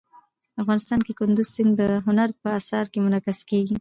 افغانستان کې کندز سیند د هنر په اثار کې منعکس کېږي.